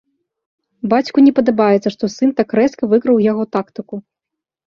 Бацьку не падабаецца, што сын так рэзка выкрыў яго тактыку.